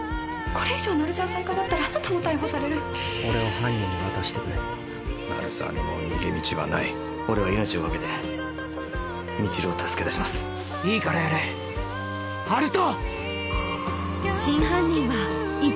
これ以上鳴沢さんかばったらあなたも逮捕される俺を犯人に渡してくれ鳴沢にもう逃げ道はない俺は命をかけて未知留を助け出しますいいからやれ温人！